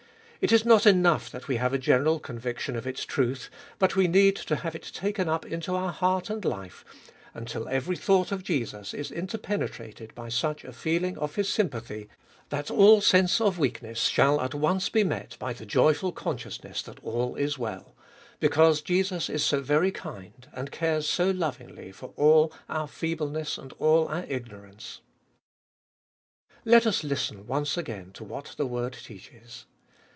It is not enough that we have a general conviction of its truth, but we need to have it taken up into our heart and life, until every thought of Jesus is interpenetrated by such a feeling of His sympathy, that all sense of weakness shall 1 Weakness. 176 abe iboitest or an at once be met by the joyful consciousness that all is well, because Jesus is so very kind, and cares so lovingly for all our feebleness and all our ignorance. Let us listen once again to what the word teaches.